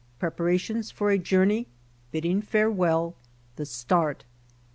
PREPARATIONS FOR A JOURNEY — BIDDING FAREWELL — THE START.